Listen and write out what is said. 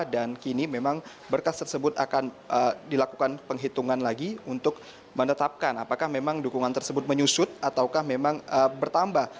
dan kini memang berkas tersebut akan dilakukan penghitungan lagi untuk menetapkan apakah memang dukungan tersebut menyusut ataukah memang bertambah